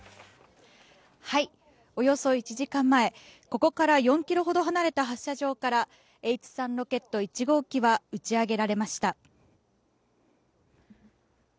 およそ１時間前、ここから４キロほど離れた発射場からＨ３ロケット１号機は打ち上げられました。